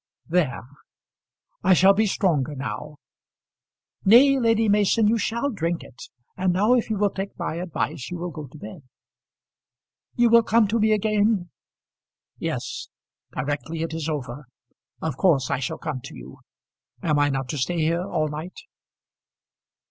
There. I shall be stronger now. Nay, Lady Mason, you shall drink it. And now if you will take my advice you will go to bed." "You will come to me again?" "Yes; directly it is over. Of course I shall come to you. Am I not to stay here all night?"